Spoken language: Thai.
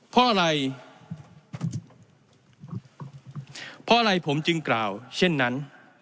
เพราะอะไรผมจึงกล่าวเช่นนั้น